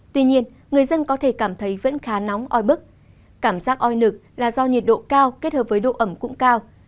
tuy nhiên người dân có thể cảm thấy vẫn khá nóng oi bức cảm giác oi nực là do nhiệt độ cao kết hợp với độ ẩm cũng cao